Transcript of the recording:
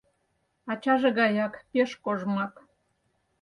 Ачаже гаяк пеш кожмак